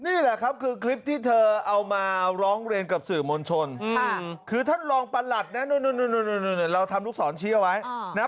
นี่แหละครับคือคลิปที่เธอเอามาร้องเรียนกับสื่อมวลชนคือท่านรองประหลัดนะเราทำลูกศรชี้เอาไว้นะ